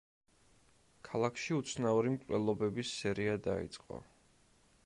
ქალაქში უცნაური მკვლელობების სერია დაიწყო.